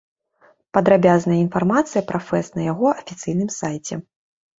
Падрабязная інфармацыя пра фэст на яго афіцыйным сайце.